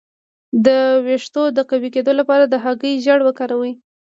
د ویښتو د قوي کیدو لپاره د هګۍ ژیړ وکاروئ